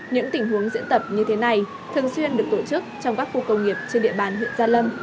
những tình huống diễn tập như thế này thường xuyên được tổ chức trong các khu công nghiệp trên địa bàn huyện gia lâm